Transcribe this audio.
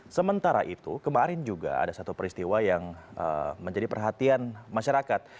sementara itu kemarin juga ada satu peristiwa yang menjadi perhatian masyarakat